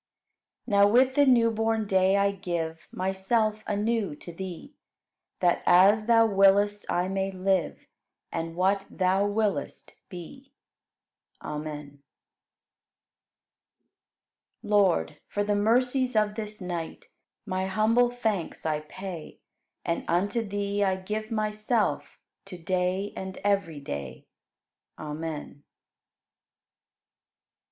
15. Now with the new born day I give Myself anew to Thee, That as Thou willest, I may live, And what Thou willest, be. Amen. 16. Lord, for the mercies of this night My humble thanks I pay And unto Thee I give myself To day and every day. Amen. 17.